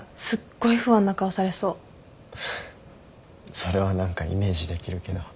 それは何かイメージできるけど。